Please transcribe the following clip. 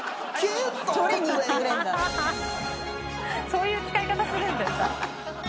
そういう使い方するんですか。